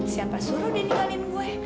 siapa suruh ditinggalin gue